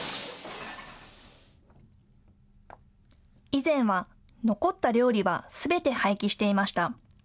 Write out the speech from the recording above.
以前は残った料理はすべて廃棄していました。